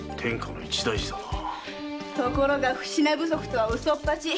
ところが品不足とはウソっぱち！